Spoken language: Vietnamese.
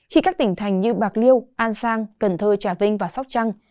khi các tỉnh thành như bạc liêu an giang cần thơ trà vinh và sóc trăng